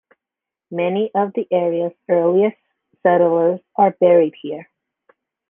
Many of the area's earliest settlers are buried here.